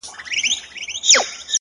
تك سپين زړگي ته دي پوښ تور جوړ كړی؛